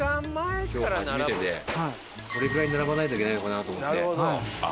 これぐらい並ばないといけないのかなと思って。